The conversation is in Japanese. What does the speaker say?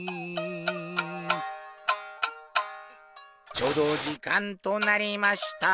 ちょうど時間となりました。